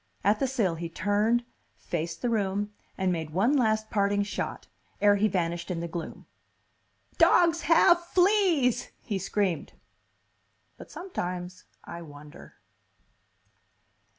At the sill, he turned, faced the room, and made one last parting shot, ere he vanished in the gloom. "Dogs have fleas!" he screamed. But sometimes I wonder.